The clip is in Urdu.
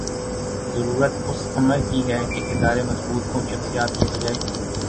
ضرورت اس امر کی ہے کہ ادارے مضبوط ہوں ’’ شخصیات ‘‘ کی بجائے